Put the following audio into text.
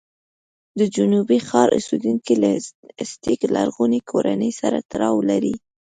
د جنوبي ښار اوسېدونکي له ازتېک لرغونې کورنۍ سره تړاو لري.